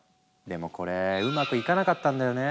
でもこれうまくいかなかったんだよね。